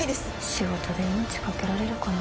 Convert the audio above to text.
「仕事で命懸けられるかな」